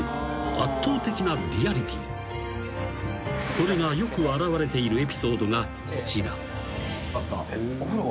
［それがよく表れているエピソードがこちら］